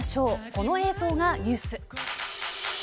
この映像がニュース。